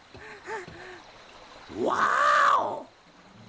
ワーオ！